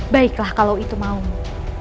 baiklah kalau itu maumu